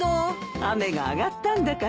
雨が上がったんだから。